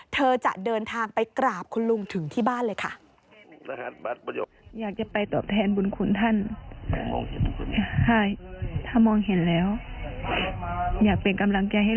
เธอจะเดินทางไปกราบคุณลุงถึงที่บ้านเลยค่ะ